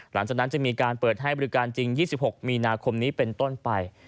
หลังจากนั้นจะมีการเปิดให้บริการจริง๒๖มีนาคมนี้เป็นต้นไป